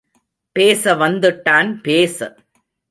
பேச வந்துட்டான் பேச.